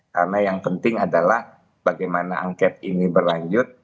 karena yang penting adalah bagaimana angket ini berlanjut